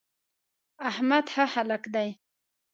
احمد ښه هلک دی.